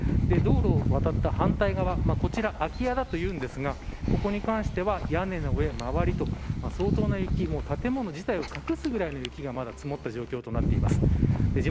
道路を渡った反対側こちら、空き家だというんですがここに関しては屋根の上、周りと相当な雪が建物を隠すようなまだ積もった状況になっています。